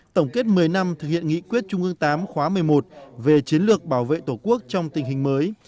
tổng kết một mươi năm thực hiện nghị quyết trung ương tám khóa một mươi một về chiến lược bảo vệ tổ quốc trong tình hình mới